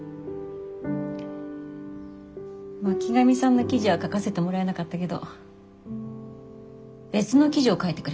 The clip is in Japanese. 巻上さんの記事は書かせてもらえなかったけど別の記事を書いてくれって言われて。